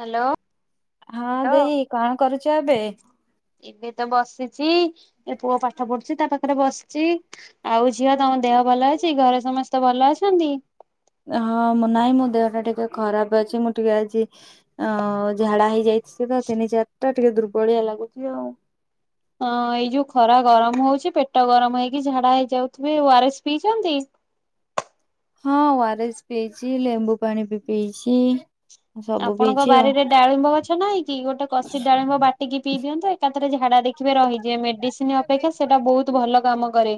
Hello. ହଁ ଦେଇ କଣ କରୁଛୁ ଏବେ? ଏବେ ତ ବସିଛି ଏ ପୁଅ ପାଠ ପଢୁଛି ତା ପାଖରେ ବସିଛି। ଆଉ ଝିଅ ତମ ଦେହ ଭଲ ଅଛି ଘରେ ସମସ୍ତେ ଭଲ ଅଛନ୍ତି। ହଁ ନାଇଁ ମୋ ଦେହ ଟା ଟିକେ ଖରାପ ଅଛି ମୁଁ ଟିକେ ଆଜି ଅ ଝାଡା ହେଇଯାଇ ସେ ତ ତିନି ଚାରି ଟା ଟିକେ ଦୁର୍ବଳିଆ ଲାଗୁଛି ଆଉ ହଁ ଏଇ ଯୋଉ ଖରା ଗରମ ହଉଛି ପେଟ ଗରମ ହେଇକି ଝାଡା ହେଇଯାଉଥିବେ ଓ ଆର ଏସ୍ ପିଇଛନ୍ତି। ହଁ ଓରାସ ପିଇଛି ଲେମ୍ବୁ ପାଣି ବି ପଇଛି। ଆପଣଙ୍କ ବାରରେ ଡାଳିମ୍ବ ଗଛ ନହିଁ କି ଗୋଟେ କଷି ଡାଳିମ୍ବ ବାଟ ବାଟିକି ପିଇ ଦିଅନ୍ତୁ ଏକାଥରେ ଝାଡା ଦେଖିବେ ରହିଯିବଏ ମେଡିସିନ ଅପେକ୍ଷା ସେଇଟା ବହୁତ ଭଲ କାମ କରେ।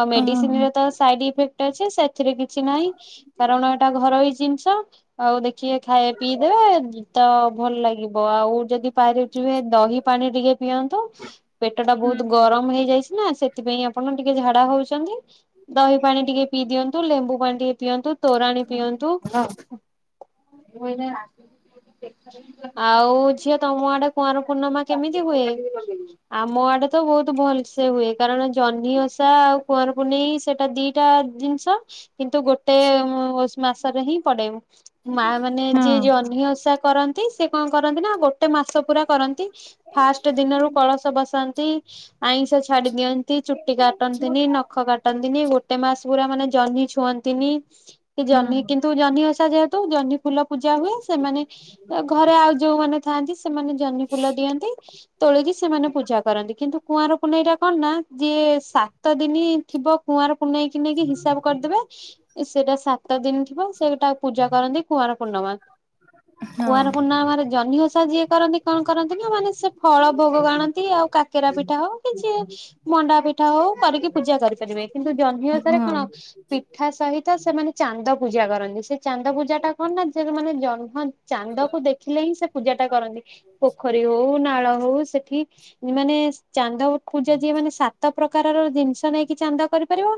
ଆଉ ଓହୋ। ମେଡିସିନରେ ତ ସାଇଡ ଇଫେକ୍ଟ ଅଛି ସେଥିରେ କିଛି ନାହିଁ। କାରଣ ଏଇଟା ଘରୋଇ ଜିନିଷ ଆଉ ଦେଖିକେ ଖାଇ ପିଇ ଦେବେ ତ ଭଲ ଲାଗିବ। ଆଉ ଯଦି ପାରଛ ଦହି ପାଣି ଟିକେ ପିଅନ୍ତୁ। ପେଟ ଟା ବହୁତ ଗରମ ହେଇଯାଇଛି ନା ସେଥିପାଇଁ ଆପଣ ଟିକେ ଝାଡା ହଉଛନ୍ତି। ଦହି ପାଣି ଟିକେ ପିଇ ଦିଅନ୍ତୁ ଲେମ୍ବୁ ପାଣି ଟିକେ ପିଅନ୍ତୁ ତୋରାଣି ପିଅନ୍ତୁ। ହଁ [unintelligible] ଆଉ ଝିଅ ତମ ଆଡେ କୁଆଁର ପୂର୍ଣ୍ଣିମା କେମିତି ହୁଏ? ଆମ ଆଡେ ତ ବହୁତ ଭଲସେ ହୁଏ କାରଣ ଜହ୍ନି ଓଷା ଆଉ କୁଆଁର ପୁନେଇଁ ସେଇଟା ଦି ତ ଜିନିଷ କିନ୍ତୁ ଗୋଟେ ମାସରେ ହିଁ ପଡେ। ମା ମାନେ ହଁ ଯିଏ ଜହ୍ନି ଓଷା କରନ୍ତି ସିଏ କଣ କରନ୍ତି ନା ଗୋଟେ ମାସ ପୁରା କରନ୍ତି ଫାଷ୍ଟ ଦିନରୁ କଳସ ବସାନ୍ତି ଆଇଁଷ ଛାଡି ଦିଅନ୍ତି। ଚୁଟି କାଟନ୍ତିନି ନଖ କାଟନ୍ତିନି ଗୋଟେ ମାସ ପୁରା ମାନେ ଜହ୍ନି ଛୁଅନ୍ତିନି। ହଁ। ଜହ୍ନି କିନ୍ତୁ ଜହ୍ନି ଓଷା ଯେହେତୁ ଜହ୍ନି ଫୁଲ ପୂଜା ହୁଏ ସେମାନେ ଘରେ ଆଉ ଯୋଉମାନେ ଥାଆନ୍ତି ସେମାନେ ଜହ୍ନି ଫୁଲ ଦିଅନ୍ତି। ତୋଳିକି ସେମାନେ ପୂଜା କରନ୍ତି କିନ୍ତୁ କୁଆଁରପୁନେଇଁ ଟା କଣ ନା ଯିଏ ସାତ ଦିନ ଥିବ କୁଆଁରପୁନେଇଁ ନେଇକିି ହିସାବ କରିଦେବେ। ସେଇଟା ସାତ ଦିନ ଥିବ ସେଇଟା ପୂଜା କରନ୍ତି କୁଆଁର ପୂର୍ଣ୍ଣିମା କୁଆଁର ପୁର୍ଣ୍ଣିମା ରେ ଜହ୍ନି ଓଷା ଯିଏ କରନ୍ତି କଣ କରନ୍ତି ନା ମାନେ ସେ ଫଳ ଭୋଗ ଆଣନ୍ତି ଆଉ କାକେରା ପିଠା ହଉ କିଛି ମଣ୍ଡା ପିଠା ହଉ କରିକି ପୂଜା କରିପାରିବେ କିନ୍ତୁ ଜହ୍ନିି ଓଷାରେ ହଁ କଣ? ପିଠା ସହିତ ସେମାନେ ଚାନ୍ଦ ପୂଜା କରନ୍ତି ସେ ଚାନ୍ଦ ପୂଜା ଟା କଣ ନା ସେ ମାନେ ଜହ୍ନ ଚାନ୍ଦକୁ ଦେଖିଲେ ହିଁ ସେ ପୂଜା ଟା କରନ୍ତି ପୋଖରୀ ହଉ ନାଳ ହଉ ସେ ମାନେ ଚାନ୍ଦ କୁ ଯଦି ଏମାନେ ସାତ ପ୍ରକାର ତାର ଜିନିଷ ନେଇକି ଚାନ୍ଦ କରିପାରିବ।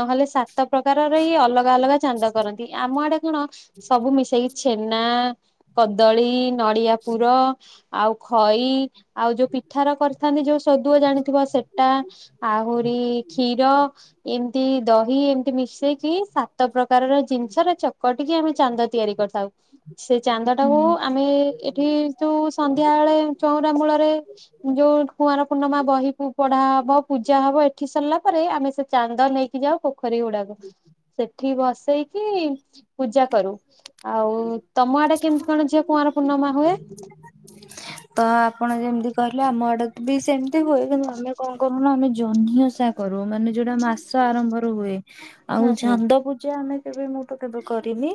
ନହେଲେ ସାତ ପ୍ରକାରର ଇଏ ଅଲଗା ଅଲଗା ଚାନ୍ଦ କରନ୍ତି ଆମ ଆଡେ କଣ? ସବୁ ମିଶେଇକି ଛେନା କଦଳୀ, ନଡିଆ ପୁର ଆଉ ଖଇ ଆଉ ଯୋଉ ପିଠାର କରି ଥାନ୍ତି ଯୋଉ ସୋଦୁଅ ଜାଣିଥିବ ସେଟା ଆହୁରି କ୍ଷୀର ଏମିତି ଦହି ଏମିତି ମିଶେଇକି ସାତ ପ୍ରକାରର ଜିନିଷର ଚକଟିକି ଆମେ ଚାନ୍ଦ ତିଆରି କରିଥାଉ। ସେ ଚାନ୍ଦ ଟାକୁ ହୁଁ ଆମେ ଏଠି ଯୋଉ ସନ୍ଧ୍ୟା ବେଳେ ଚଉରା ମୂଳରେ ଯୋଉ କୁଆଁର ପୂର୍ଣ୍ଣିମା ବହିକୁ ପଢା ହବ ପୂଜା ହବ ଏଠି ସରିଲା ପରେ ଆମେ ସେ ଚାନ୍ଦ ନେଇକି ଯାଉ ପୋ ପୋଖରୀ ହୁଡାକୁ ସେଠି ଭସେଇକି ପୂଜା କରୁ ଆଉ ତମ ଆଡେ କେମତି କଣ ଝିଅ କୁଁଆର ପୁର୍ଣିମା ହୁଏ। ତ ଆପଣ ଯେମିତି କହିଲେ ଆମ ଆଡକୁ ବି ସେମିତି ହଁ ହୁଏ କିନ୍ତୁ ଆମେ କଣ? କଣ କରୁ ନା ଆମେ ଜହ୍ନିଓସା କରୁ ମାନେ ଯୋଉଟା ମାସ ଆରମ୍ଭର ହୁଏ। ଆଉ ହଁ ଚାନ୍ଦ ପୂଜା ଆମେ କେବେ ମୁଁ ତ କେବେ କରିନି।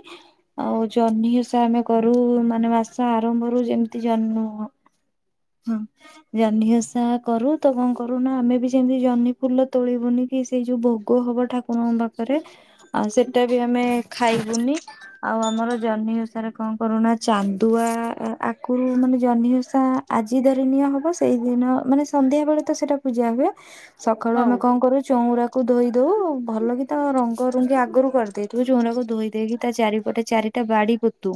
ଆଉ ଜହ୍ନି ଓଷା ଆମେ କରୁ ମାନେ ମାସ ଆରମ୍ଭରୁ ଯେମତି ଜହ୍ନି ହଁ। ଜହ୍ନିଓସା କରୁ ତ କଣ କରୁନା ଆମେ ବି ସେମିତି ଜହ୍ନି ଫୁଲ ତୋଳିବୁନି କି ସେଇ ଯୋଉ ଭୋଗ ହବ ଠାକୁର ଠାକୁରଙ୍କ ପାଖରେ ଆଉ ସେଟା ବି ଆମେ ଖାଇବୁନି। ଆଉ ଆମର ଜହ୍ନି ଓସାରେ କଣ କରୁନା ଚାନ୍ଦୁଆ ଆଗରୁ ମାନେ ଜହ୍ନିଓଷା ଆଜି ଯଦି ନିଆ ହବ ସେଇଦିନ ମାନେ ସନ୍ଧ୍ୟା ବେଳେ ତ ସେଇଟା ପୂଜା ହୁଏ। ସକାଳୁ ଆମେ ହଁ କଣ କରୁ ଚଉଁରା କୁ କୁ ଧୋଇ ଦଉ ଭଲ କି ତା ରଙ୍ଗ ରୁଙ୍ଗି ଆଗରୁ କରିଦେଇଥିବୁ ଚୋଉରାକୁ ଧୋଇ ଦେଇକି ତା ଚାରିପ ଗୋଟେ ଚାରିଟା ବାଡି ପୋତୁ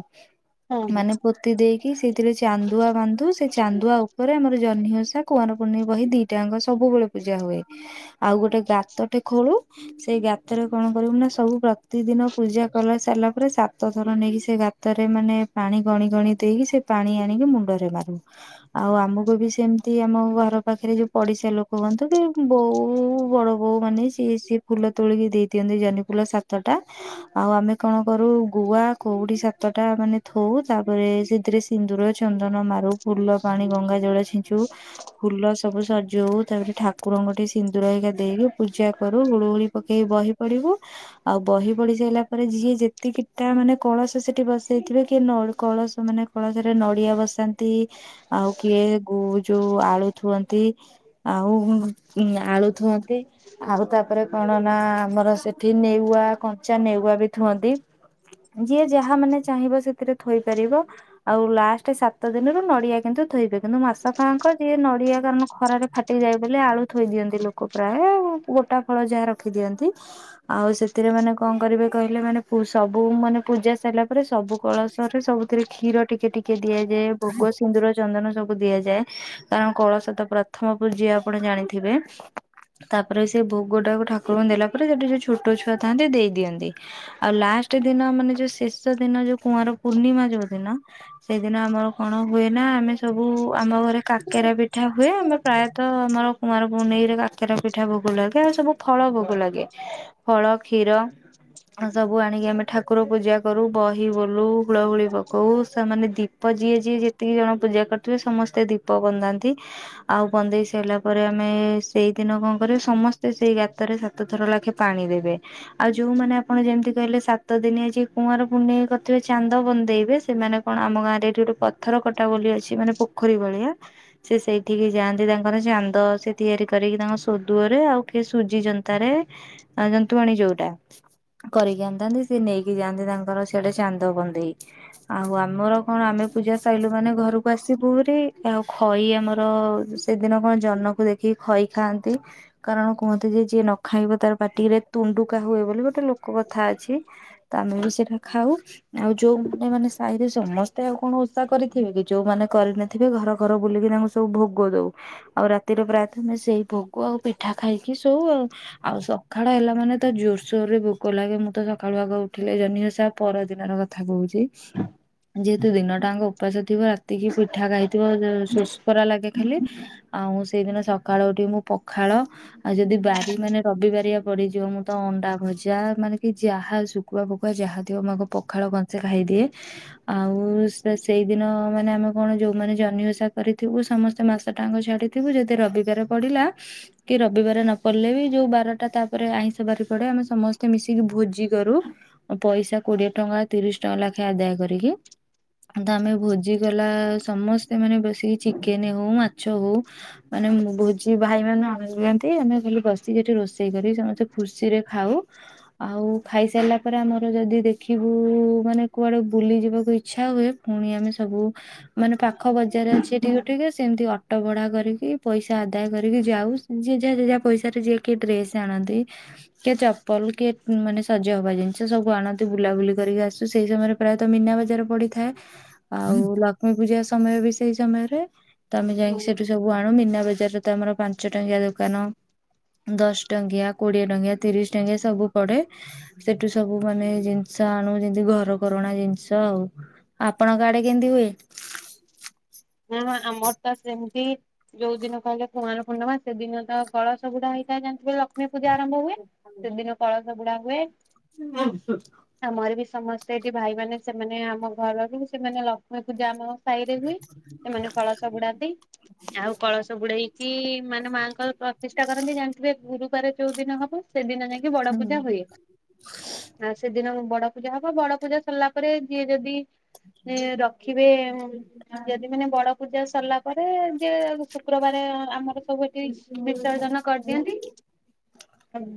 ହଁ ମାନେ ପୋତି ଦେଇକି ସେଇଥିରେ ଚାନ୍ଦୁଆ ବାନ୍ଧୁ ସେ ଚାନ୍ଦୁଆ ଉପରେ ଆମର ଜହ୍ନି ଓସା କୁଆଁରପୂନେଇଁ ବହି ଦିଟା ଯାକ ସବୁବେଳେ ପୂଜା ହୁଏ। ଆଉ ଗୋଟେ ଗାତଟେ ଖୋଳୁ। ସେଇ ଗାତରେ କଣ କରିବୁ ନା ସବୁ ପ୍ରତିଦିନ ପୂଜା କରି ସାରିଲା ପରେ ସାତ ଥର ନେଇକି ସେ ଗାତ ଗାତରେ ମାନେ ପାଣି ଗଣି ଗଣି ଦେଇକି ସେ ପାଣି ଆଣିକି ମୁଣ୍ଡରେ ମାରୁ। ଆଉ ଆମକୁ ବି ସେମିତି ଆମ ଘର ପାଖରେ ଯୋଉ ପଡିଶା ଲୋକ ହୁଅନ୍ତୁ କି ବୋଉ ବଡ ବୋଉ ମାନେ ସିଏ ସିଏ ଫୁଲ ତୋଳିକି ଦେଇ ଦିଅନ୍ତି ଜହ୍ନି ଫୁଲ ସାତଟା। ଆଉ ଆମେ କଣ କରୁ ଗୁଆ କଉଡି ସାତଟା ମାନେ ଥୋଉ ତାପରେ ସେଥିରେ ସି ସିନ୍ଦୁର, ଚନ୍ଦନ ମାରୁ ଫୁଲ ପାଣି, ଗଙ୍ଗା ଜଳ ଛିଞ୍ଚୁ। ଫୁଲ ସବୁ ସଜଉ ତାପରେ ଠାକୁରଙ୍କୁ ଟିକେ ସିନ୍ଦୁର ହେରିକା ଦେଇକି ପୂଜା କରୁ ହୁଳୁ ହୁଳି ପକେଇ ବହି ପଢିବୁ। ଆଉ ବହି ପଢି ସାରିଲା ପରେ ଯିଏ ଯେତିକିଟା ମାନେ କଳସ ସେଠି ବସେଇଥିବେ କିଏ ନଡ଼ି କଳସ ମାନେ କଳସରେ ନଡିଆ ବସାନ୍ତି ଆଉ କିଏ ଗୁ ଯୋଉ ଆଳୁ ଥୁଅନ୍ତି ଆଉ ଉଁ ଆଳୁ ଥୁଅନ୍ତି। ଆଉ ତାପରେ କଣ ନା ଆମର ସେଠି ନେଉଆ କଞ୍ଚା ନେଉଆ ବି ଥୁଅନ୍ତି। ଯିଏ ଯାହା ମାନେ ଚାହିଁବ ସେଥିରେ ଥୋଇପାରିବ ଆଉ ଲାଷ୍ଟ ସାତ ଦିନରୁ ନଡ଼ି ନଡିଆ କିନ୍ତୁ ଥୋଇବେ କିନ୍ତୁ ମାସକ ଆଙ୍କ ଯିଏ ନଡିଆ କାରଣ ଖରାରେ ଫାଟି ଯାଏ ବୋଲି ଆଳୁ ଥୋଇ ଦିଅନ୍ତି ଲୋକ ଲୋକ ପ୍ରାୟ ଗୋଟା ଫଳ ଯାହା ରଖିଦିଅନ୍ତି ଆଉ ସେଥିରେ ମାନେ କଣ କରିବେ କହିଲେ ମାନେ ପୂ ସବୁ ମାନେ ପୂଜା ସାରିଲା ପରେ ସବୁ କଳସରେ ସବୁଥିରେ କ୍ଷୀର ଟିକେ ଟିକେ ଦିଆଯାଏ ଭୋଗ ସିନ୍ଦୁର ଚନ୍ଦନ ସବୁ ଦିଆଯାଏ। କାରଣ କଳସ ତ ପ୍ରଥମ ପୂଜ୍ୟ ଆପଣ ଜାଣିଥିବେ ତାପରେ ସେ ଭୋଗଟାକୁ ଠାକୁରଙ୍କୁ ଦେଲା ପରେ ସେଠି ଯୋଉ ଛୋଟ ଛୁଆଥାନ୍ତି ଦେଇଦିଅନ୍ତି। ଆଉ ଲାଷ୍ଟ ଦିନ ମାନେ ଯୋଉ ଶେଷ ଦିନ ଯୋଉ କୁଆଁର ପୂର୍ଣ୍ଣିମା ଯୋଉ ଦିନ ସେଇଦିନ ଆମର କଣ ହୁଏନା ଆମେ ସବୁ ଆମ ଘରେ କାକେରା ପିଠା ହୁଏ ଆମେ ପ୍ରାୟତଃ ତ ଆମର କୁଆଁର ପୁନେଇଁରେ କାକେରା ପିଠା ଭୋଗ ଲାଗେ ଆଉ ସବୁ ଫଳ ଭୋଗ ଲାଗେ। ଫଳ, କ୍ଷୀର ସବୁ ଆଣିକି ଆମେ ଠାକୁର ପୂଜା କରୁ ବହି ବୋଲୁ ହୁଳ ହୁଳି ପକଉ ସେମାନେ ଦୀ ଦୀପ ଯିଏ ଯିଏ ଯେତିକି ଜଣ ପୂଜା କରୁଥିବେ ସମସ୍ତେ ଦୀପ ବନ୍ଧାନ୍ତି ଆଉ ବନ୍ଦେଇ ସାରିଲା ପରେ ଆମେ ସେଇଦିନ କଣ କରିବୁ ସମସ୍ତେ ସେଇ ଗାତରେ ସାତଥର ଲାଖେ ପାଣି ଦେବେ। ଆଉ ଯୋଉମାନେ ଆପଣ ଯେମିତି କହିଲେ ସାତ ଦିନିଆ ଯେ କୁଆଁର ପୁନେଇଁ କରିଥିବେ ଚାନ୍ଦ ବନ୍ଦେଇବେ ସେମାନେ କୁ କଣ ଆମ ଗାଁରେ ଏଠି ଗୋଟେ ପଥରକଟା ବୋଲି ଅଛି ମାନେ ପୋଖରୀ ଭଳିଆ ସେ ସେଇଠିକି ଯାଆନ୍ତି ତାଙ୍କର ଚାନ୍ଦ ସେ ତିଆରି କରିକି ତାଙ୍କ ଶୋଦୁଅରେ ଆଉ କି ସୁଜି ଯନ୍ତାରେ ଆ ଜନ୍ତୁଆଣୀ ଯୋଉଟା କରିକି ଆଣିଥାନ୍ତି ସିଏ ନେଇକି ଯାଆନ୍ତି ତାଙ୍କର ସିଆଡେ ଚାନ୍ଦ ବନ୍ଦେଇ ଆଉ ଆମର କଣ ଆମେ ପୂଜା ସାଇଲୁ ମାନେ ଘରକୁ ଆସି ହିରି ଆଉ ଖଇ ଆମର ସେଦିନ କଣ ଜହ୍ନକୁ ଦେଖି- ଦେଖି ଖଇ ଖାଆନ୍ତି। କାରଣ କୁହନ୍ତି ଯେ ଯିଏ ନ ଖାଇବ ତାର ପାଟିିରେ ତୁଣ୍ଡୁକା ହୁଏ ବୋଲି ଗୋଟେ ଲୋକ କଥା ଅଛି। ତ ଆମେ ବି ସେଇଟା ଖାଉ ଆଉ ଯୋଉ ମାନେ ମାନେ ସାହିରେ ସମସ୍ତେ ଆଉ କଣ ଓଷା କରିଥିବେ କି ଯୋଉମାନେ କରିନଥିବେ ଘର ଘର ବୁଲିକି ତାଙ୍କୁ ସବୁ ଭୋଗ ଦଉ। ଆଉ ରାତିରେ ପ୍ରାୟତଃ ଆମେ ସେଇ ଭୋଗ ଆଉ ପିଠା ଖାଇକି ଶୋଉ ଆଉ। ଆଉ ସକାଳୁ ହେଲା ମାନେ ତ ଜୋରସୋର ରେ ଭୋକ ଲାଗେ ମୁଁ ତ ସକାଳୁ ଆଗ ଉଠିଲେ ଜହ୍ନି ଓଷାର ପରଦିନ କଥା କହୁଛି ଯେହେତୁ ଦିନଟାଙ୍କ ଓପାସ ଥିବ ରାତିକି ପିଠା ଖାଇଥିବ ଶୋଷକରା ଲାଗେ ଖାଲି, ଆଉ ସେଇଦିନ ସକାଳ ଉଠିକି ମୁଁ ପଖାଳ ଆଉ ଯଦି ବାରି ମାନେ ରବି ବାରିଆ ପଡିଯିବ ମୁଁ ତ ଅଣ୍ଡା ଭଜା ମାନେ କି ଯାହା ସୁ କୁଆ ଫକୁଆ ଯାହା ଥିବ ମୁଁ ଆଗ ପଖାଳ କଂସେ ଖାଇଦିଏ ଆଉ ସେ ସେଇଦିନ ମାନେ ଆମେ କଣ ଯୋଉମାନେ ଜହ୍ନି ଓସା କରିଥିବୁ ସମସ୍ତେ ମାସ ଟାଙ୍କ ଛାଡ଼ି ଥିବୁ ଯଦି ରବିବାର ପଡିଲା। କି ରବିବାର ନ ପଡିଲେ ବି ଯୋଉ ବାରଟା ତାପରେ ଆଇଁଷ ବାରି ପଡେ ଆମେ ସମସ୍ତେ ମିଶିକି ଭୋଜି କରୁ। ପଇସା କୋଡିଏ ଟଙ୍କା ତିରିଶି ଟଙ୍କା ଲେଖାଏ ଆଦାୟ କରିକି। ତ ଆମେ ଭୋଜି ବାଲା ସମସ୍ତେ ମାନେ ବସିକି ଚିକେନ୍ ହଉ ମାଛ ହଉ ମାନେ ଭୋଜି ଭାଇ ମାନେ ଅଣାନ୍ତି ଆମେ ଖାଲି ବସିକି ସେଠି ରୋଷେଇ କରି ସମସ୍ତେ ଖୁସିରେ ଖାଉ। ଆଉ ଖାଇସାରିଲା ପରେ ଆମର ଯଦି ଦେଖିବୁ ମାନେ କୁଆଡ଼େ ବୁଲିଯିବାକୁ ଇଚ୍ଛା ହୁଏ। ପୁଣି ଆମେ ସବୁ ମାନେ ପାଖ ବଜାର ଅଛି ଟିକେ ଟିକେ ସେମିତି ଅଟୋ ଭଢା କରିକି ପଇସା ଆଦାୟ କରିକି ଯାଉ। ଯିଏ ଯାହା ଯାହା ପଇସାରେ ଯିଏ କିଏ ଡ୍ରେସ୍ ଆଣନ୍ତି। କିଏ ଚପଲ କିଏ ମାନେ ସଜ ହବା ଜିନିଷ ସବୁ ଆଣନ୍ତି ବୁଲାବୁଲି କରିକି ଆସୁ ସେଇ ସମୟରେ ପ୍ରାୟତ ମୀନା ବଜାର ପଡିଥାଏ ଆଉ ଲକ୍ଷ୍ମୀ ପୂଜା ସମୟ ବି ସେଇ ସମୟରେ। ତମେ ହଁ। ଯାଇକି ସେଠୁ ସବୁ ଆଣୁ ମିନା ବଜାରରେ ତ ଆମର ପାଞ୍ଚ ଟଙ୍କିଆ ଦୋକାନ। ଦଶ ଟଙ୍କିଆ କୋଡିଏ ଟଙ୍କିଆ ତିରିଶ ଟଙ୍କିଆ ସବୁ ପଡେ। ସେଠୁ ସବୁ ମାନେ ଜିନିଷ ଆଣୁ ଯେମିତି ଘର କରଣା ଜିନିଷ ଆଉ। ଆପଣଙ୍କ ଆଡେ କେମିତି ହୁଏ? ନା ଆମର ତ ସେମିତି ଯୋଉ ଦିନ କହିଲେ କୁଆଁର ପୁନମା ସେଇ ଦିନ ତ କଳସ ବୁଡେହେଇଥାଏ। [unintelligible] ଲକ୍ଷ୍ମୀ ପୂଜା ଆରମ୍ଭ ହୁଏ ସେଦିନ କଳସ ବୁଡା ହୁଏ। [inaudible] ଆମର ବି ସମସ୍ତେ ଏଠି ଭାଇ ମାନେ ସେମାନେ ଆମ ଘରରୁ ସେମାନେ ଲକ୍ଷ୍ମୀ ପୂଜା ଆମ ସାହିରେ ହୁଏ ସେମାନେ କଳସ ବୁଡାନ୍ତି ଆଉ କଳସ ବୁଡେଇ କି ମାନେ ମାଆଙ୍କର ପ୍ରତିଷ୍ଠା କରନ୍ତି ଜାଣିଥିବେ ଗୁରୁବାର ଯୋଉ ଦିନ ହବ ସେଦିନ ଯା ଟିକେ ବଡ ପୂଜା ହୁଏ। ଆଉ ସେଦିନ ବଡ ପୂଜା ହବ ବଡ ପୂଜା ସରିଲା ପରେ ଯିଏ ଯଦି ରଖି କିବେ ଯଦି ମାନେ ବଡ ପୂଜା ସରିଲା ପରେ ଯ ଶୁକ୍ରବାରେ ଆମର ସବୁଠି ବିସର୍ଜନ କରିଦିଅନ୍ତି।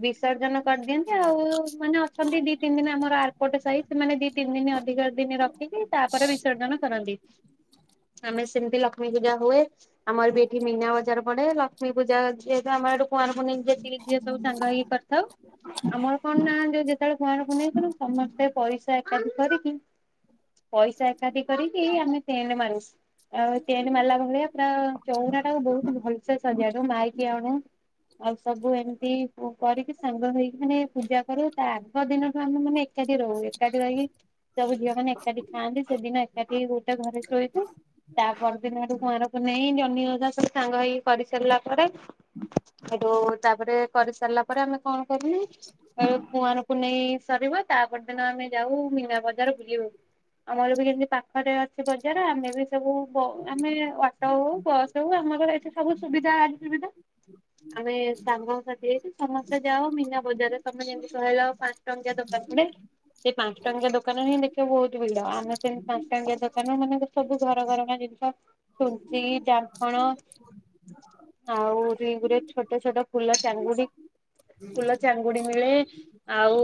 ବିସର୍ଜନ କରିଦିଅନ୍ତି ଆଉ ମାନେ ଅଛନ୍ତି ଦି ତିନି ଦିନ ଆମର ଆ ପଟେ ସହି ସେମାନେ ଦି ତିନି ଦିନ ଅଧିକ ଦିନ ରଖିକି ତାପରେ ବିସର୍ଜନ କରନ୍ତି। ଆମେ ସେମିତି ଲକ୍ଷ୍ମୀ ପୂଜା ହୁଏ ଆମର ବି ଏଠି ମୀନା ବଜାର ପଡେ ଲକ୍ଷ୍ମୀ ପୂଜା ଯେହେତୁ ଆମର ଏଟ କୁଆଁର ପୁନେଇଁ ଝିଅ ସବୁ ସାଙ୍ଗ ହେଇକି କରିଥାଉ। ଆମର କଣ ନା ଯୋଉ ଯେତେବେଳେ କୁଆଁର ପୁନେଇକୁ ସମସ୍ତେ ପଇସା ଏକାଠି କରିକି ପଇସା ଏକାଠି କରିକି ଆମେ ତେଣେ ମାରୁ। ଆଉ ତେନ୍ତ ମାରିଲା ଭଳିଆ ପୁର ଚଉରା ଟା କୁ ବହୁତ ଭଲସେ ସଜା ଟୁ ମାଇକି ଆଣୁ। ଆଉ ସବୁ ଏମିତି କରିକି ସାଙ୍ଗ ହେଇକି ମାନେ ପୂଜା କରୁ ତା ଆଗ ଦିନଠୁ ଆମେ ମାନେ ଏକାଠି ରହୁ ଏକାଠି ରହିକି ସବୁ ଝିଅ ମାନେ ଏକାଠି ଖାଆନ୍ତି ସେଦିନ ଏକାଠି ଗୋଟେ ଘରେ ଶୋଇବୁ। ତା ପରଦିନରୁୁ କୁଆଁର ପୁନେଇଁ ଯନିଓସା ସବୁ ସାଙ୍ଗ ହେଇକି କରିସାରିଲା ପରେ ହେଟୁ ତାପରେ କରିସାରିଲା ତାପରେ ଆମେ କଣ କର କୁଆରପୁନେଇ ସାରିବ ତାପରଦିନ ଆମେ ଯାଉ ମୀନା ବଜାର ବୁଲିବୁ। ଆମର ବି କେମିତି ପାଖରେ ଅଛି ବଜାର ଆମେ ବି ସବୁ ଆମେ ଅଟୋ ହଉ ବସ ହଉ ଆମ ଘର ଏଠି ସବୁ ସୁବିଧା ଆଜି ସୁବିଧା। ଆମେ ସାଙ୍ଗ ସା ସେ ସମସ୍ତେ ଯାଅ ମିନା ବଜାରରେ ତମେ ଯେମିତି କହିଲେ ଆ ପାଞ୍ଚ ଟଙ୍କା ଯାଆ ଦୋକାନ୍ ପଡେ। ସେଇ ପାଞ୍ଚ ଟଙ୍କିଆ ଦୋକାନ ହିଁ ଦେଖିବା ବହୁତ ଭିଡ ଆମେ ସେମି ପାଞ୍ଚ ଟଙ୍କିଆ ଦୋକାନ ମାନେ ସବୁ ଘର ଘରଣା ଜିନିଷ ଛୁଚି ଜାମ୍ଫଣ। ଆଉରି ଗୋଟେ ଛୋଟ ଛୋଟ ଫୁଲ ଚାଙ୍ଗୁଡି। ଫୁଲ ଚାଙ୍ଗୁଡି ମିଳେ। ଆଉ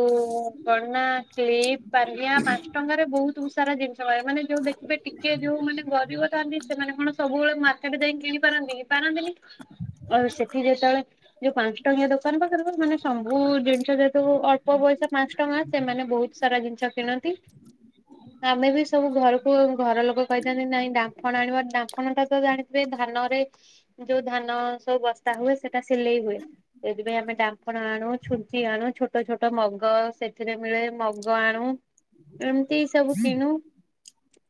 କଣ ନା କ୍ଲିପ ପାନିଆ ପାଞ୍ଚ ଟଙ୍କାରେ ବହୁତ ସାରା ଜିନିଷ ପାଇହ ମାନେ ଯୋଉ ଦେଖ। ଏବେ ଟିକେ ଯୋଉମାନେ ଗରିବ ଥାନ୍ତି ସେମାନେ କଣ ସବୁବେଳେ ମାର୍କେଟ ଯାଇକି କିଣି ପାରନ୍ତି ପାରନ୍ତିନି। ଆଉ ସେଠି ଯେତେବେଳେ ଯୋଉ ପାଞ୍ଚ ଟଙ୍କିଆ ଦୋକାନ ପାଖରେ ମାନେ ସବୁ ଜିନିଷ ଯେହେତୁ ଅଳ୍ପ ପଇସା ପାଞ୍ଚ ଟଙ୍କା। ସେମାନେ ବହୁତ ସାରା ଜିନିଷ କିଣନ୍ତି। [unintelligible] ଆମେ ବି ସବୁ ଘରକୁ ଘର ଲୋକ କହିଥାନ୍ତି ନାଇଁ ଡାଫଣ ଆଣିବ। ଡାଫଣ ଟା ତ ଜାଣିଥିବେ ଧାନରେ ଯୋଉ ଧାନ ସବୁ ବସ୍ତା ହୁଏ ସେଟା ସିଲେଇ ହୁଏ। ସେଥିପାଇଁ ଆମେ ଡ଼ାଫଣ ଆଣୁ, ଛୁଞ୍ଚି ଆଣୁ, ଛୋଟ ଛୋଟ ମଗ, ସେଥିରେ ମିଳେ ମଗ ଆଣୁ। ଏମିତି ସବୁ କିଣୁ,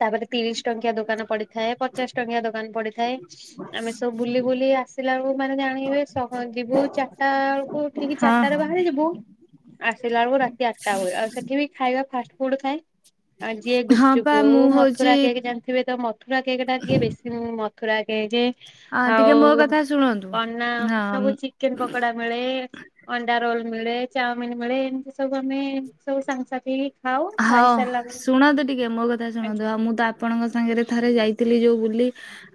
ତାପରେ ତିରିଶି ଟଙ୍କିଆ ଦୋକାନ ପଡିଥାଏ, ପଚାଶ ଟଙ୍କିଆ ଦୋକାନ ପଡିଥାଏ। ଆମେ ସବୁ ବୁଲି ବୁଲି ଆସିଲା ବେଳକୁ ମାନେ ଜାଣିବେ, ସହନ୍ତି ଭୋର ଚାରିଟା ବେଳକୁ ଉଠିକି ଚା ହଁ ଚାରିଟା ରେ ହଁ। ବାହାରି ଯିବୁ ଆସିଲା ବେଳକୁ ରାତି ଆଠଟା ହୁଏ, ଆଉ ସେଠି ବି ଖାଇବା ଫାଷ୍ଟ ଫୁଡ ଥାଏ। ଆଜି ଏ ହଁ ଗୁପଚୁପ ପା ହଉ, ମୁଁ ହଉଛି ମଥୁରା କେକ୍ ଯା ଥିବେ ତ ମଥୁର କେକେ ଟା ଟିକେ ବେଶୀ ମଥୁରା କେକେ। ଅ ଟିକେ ଆଉ ମୋ କଥା ଶୁଣନ୍ତୁ। ଅନା ସବୁ ହଁ। ଚିକେନ ପକଡା ମିଳେ, ଅଣ୍ଡା ରୋଲ ମିଳେ, ଚାଉମିିନ ମିଳେ ଏମିତି ସବୁ ଆମେ ସବୁ ସାଙ୍ଗ ସାଥୀ ହଁ ଶୁଣନ୍ତୁ ଟିକେ ମୋ କଥା ଆଜ୍ଞା ଶୁଣନ୍ତୁ, ଆଉ ମୁଁ ତା ଆପଣଙ୍କ ସାଙ୍ଗରେ ଥରେ ଯାଇଥିଲି ଯୋଉ ବୁଲି।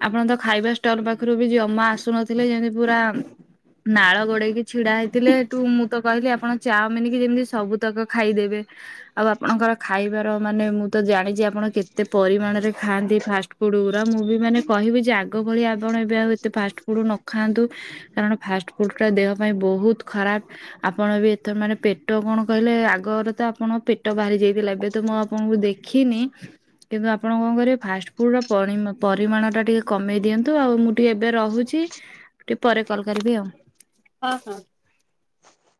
ଆପଣ ତ ଖାଇବା ଷ୍ଟଲ ପାଖରୁ ବି ଜମା ଆସୁନଥିଲେ ଯେମିତି ପୁରା ନାଳ ଗଡେଇକି ଛିଡା ହେଇଥିଲେ, ଏଠୁ ମୁଁ ତ କହିଲି ଆପଣ ଚାଓମିନିକି ଯେମିତି ସବୁ ତକ ଖାଇଦେବେ। ଆଉ ଆପଣଙ୍କର ଖାଇବାର ମାନେ ମୁଁ ତ ଜାଣିଛି ଆପଣ କେତେ ପରିମାଣରେ ଖାଆନ୍ତି ଫାଷ୍ଟ ଫୁଡ଼ ଗୁରା, ମୁଁ ବି ମାନେ କହିବି ଯେ ଆଗ ଭଳି ଆପଣ ଏବେ ଆଉ ଏତେ ଫାଷ୍ଟ ଫୁଡ଼ ନଖାଆନ୍ତୁ। କାରଣ ଫାଷ୍ଟ ଫୁଡ ଟା ଦେହ ପାଇଁ ବହୁତ ଖରାପ। ଆପଣ ବି ଏଥର ମାନେ ପେଟ କଣ କହିଲେ ଆଗରେ ତ ଆପଣ ପେ ଟ ବାହାରି ଯାଇଥିଲା। ଏବେ ତ ମୁଁ ଆପଣଙ୍କୁ ଦେଖିନି। କିନ୍ତୁ ଆପଣ କଣ କରିବ ଫାଷ୍ଟଫୁଡ଼ ର ପରି ପରିମାଣ ଟା ଟିକେ କମେଇ ଦିଅନ୍ତୁ। ଆଉ ମୁଁ ଟିକେ ଏବେ ରହୁଛି ଟିକେ ପରେ କଲ୍ କରିବି ଆଉ। ହଁ ହଁ।